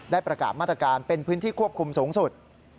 ประกาศมาตรการเป็นพื้นที่ควบคุมสูงสุด